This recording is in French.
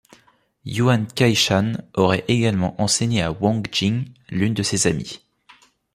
Yuan Kay-shan aurait également enseigné à Wong Jing, l'un de ses amis.